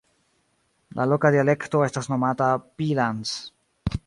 La loka dialekto estas nomata Peellands.